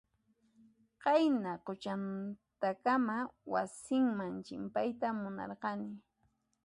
Qayna quchantakama wasinman chimpayta munarqani.